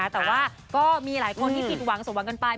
แต่ว่ามีหลายคนคิดหวังสงหวังกันไป